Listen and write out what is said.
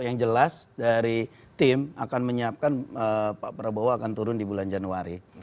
yang jelas dari tim akan menyiapkan pak prabowo akan turun di bulan januari